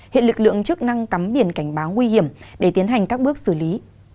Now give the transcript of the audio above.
hiện lực lượng chức năng cắm biển cảnh báo nguy hiểm để tiến hành các bước xử lý